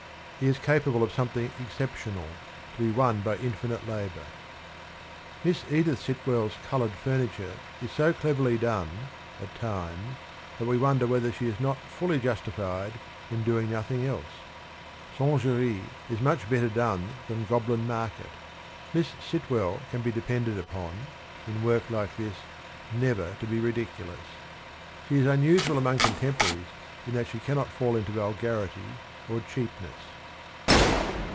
... He is capable of something exceptional, to be won by infinite labour. ... Miss Edith Sitwell's coloured furniture is so cleverly done, at times, that we wonder whether she is not fully justified in doing nothing else. (Singerie) is much better done than ' Goblin Market.' Miss Sitwell can be depended upon, in work like this, never to be ridiculous. She is unusual among contemporaries in that she cannot fall into vulgarity or cheapness.